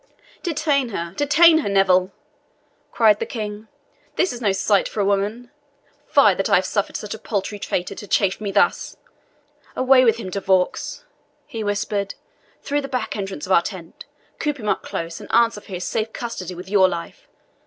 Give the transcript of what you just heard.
"Detain her detain her, Neville," cried the King; "this is no sight for women. Fie, that I have suffered such a paltry traitor to chafe me thus! Away with him, De Vaux," he whispered, "through the back entrance of our tent; coop him up close, and answer for his safe custody with your life.